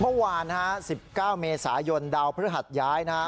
เมื่อวาน๑๙เมษายนดาวพฤหัสย้ายนะฮะ